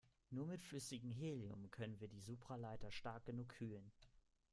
Nur mit flüssigem Helium können wir die Supraleiter stark genug kühlen.